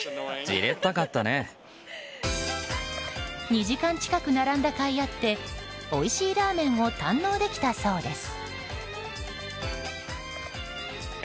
２時間近く並んだかいあっておいしいラーメンを堪能できたそうです。